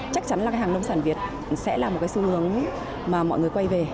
chắc chắn là hàng lông sản việt sẽ là một cái xu hướng mà mọi người quay về